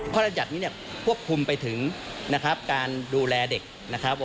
บรรยัตินี้เนี่ยควบคุมไปถึงนะครับการดูแลเด็กนะครับ